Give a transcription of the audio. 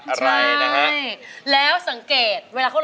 น้องใบเฟิร์นโรงได้หรือโรงผิดครับ